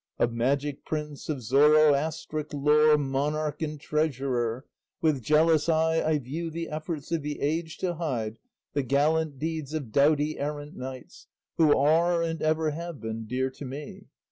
Of magic prince, of Zoroastric lore Monarch and treasurer, with jealous eye I view the efforts of the age to hide The gallant deeds of doughty errant knights, Who are, and ever have been, dear to me.